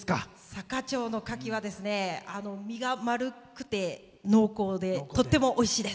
坂町のカキは身が、丸くて濃厚でとってもおいしいです。